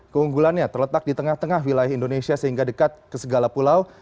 keunggulannya terletak di tengah tengah wilayah indonesia sehingga dekat ke segala pulau